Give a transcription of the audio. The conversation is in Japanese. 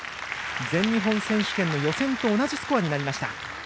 全日本選手権の予選と同じスコアになりました。